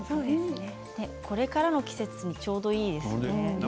これからの季節にちょうどいいですよね。